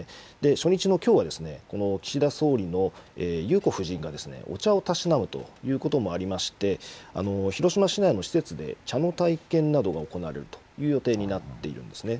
初日のきょうはこの岸田総理の裕子夫人がお茶をたしなむということもありまして、広島市内の施設で茶の体験などが行われるという予定になっているんですね。